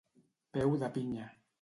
Peu de pinya.